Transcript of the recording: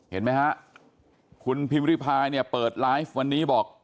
เห็นไหมฮะคุณพิมพิริพายเนี่ยเปิดไลฟ์วันนี้บอก